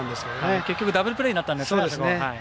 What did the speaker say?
結局ダブルプレーになったんですよね。